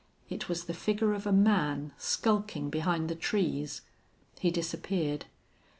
It was the figure of a man, skulking behind the trees. He disappeared.